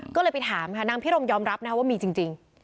ก็เลยไปถามค่ะนางพิรมยอมรับนะคะว่ามีจริง